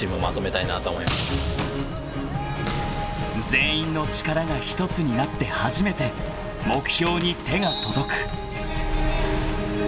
［全員の力が１つになって初めて目標に手が届く］